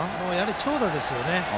長打ですよね。